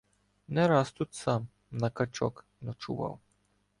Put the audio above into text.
Не раз тут сам "на качок" ночував.